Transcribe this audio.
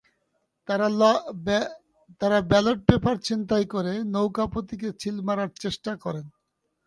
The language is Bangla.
তাঁরা ব্যালট পেপার ছিনতাই করে নৌকা প্রতীকে সিল মারার চেষ্টা করেন।